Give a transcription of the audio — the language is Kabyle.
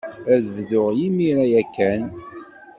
Ad bduɣ imir-a ya kan.